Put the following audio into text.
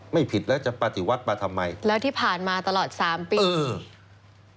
ไม่ผิดแล้วจะปฏิวัติมาทำไมแล้วที่ผ่านมาตลอดสามปีอืม